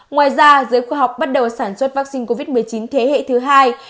ngoài ra dưới khoa học bắt đầu sản xuất vắc xin covid một mươi chín thế hệ thứ hai